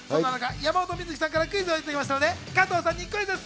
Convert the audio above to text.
山本美月さんからクイズをいただきましたので加藤さんにクイズッス。